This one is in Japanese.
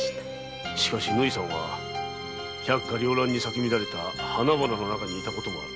しかし縫さんは百花撩乱に咲く花々の中にいた事もある。